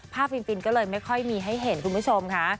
ฟินก็เลยไม่ค่อยมีให้เห็นคุณผู้ชมค่ะ